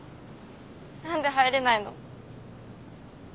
何で入れないの？